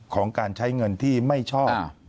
ของการใช้เงินที่ไม่ชอบ